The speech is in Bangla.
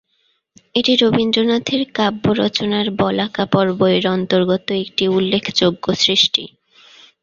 এটি রবীন্দ্রনাথের কাব্য রচনার "বলাকা পর্ব"-এর অন্তর্গত একটি উল্লেখযোগ্য সৃষ্টি।